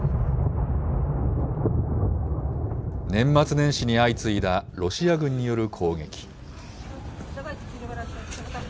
年末年始に相次いだロシア軍による攻撃。